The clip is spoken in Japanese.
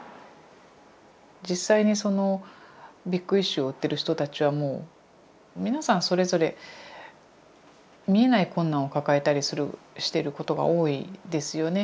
実際に「ビッグイシュー」を売ってる人たちはもう皆さんそれぞれ見えない困難を抱えたりしてることが多いんですよね。